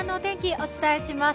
お伝えします。